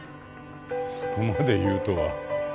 そこまで言うとは